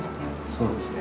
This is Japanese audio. そうですね。